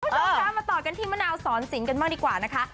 ผู้ชมต่อกันทิมมานาวสอนสินกันบ้างดีกว่านะคะ